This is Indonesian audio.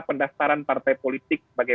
pendaftaran partai politik sebagai